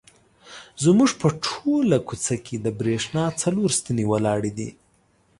زموږ په ټوله کوڅه کې د برېښنا څلور ستنې ولاړې دي.